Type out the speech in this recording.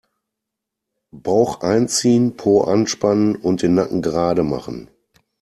Bauch einziehen, Po anspannen und den Nacken gerade machen.